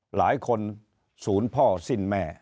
หลายคนศูนย์พ่อสิ้นแม่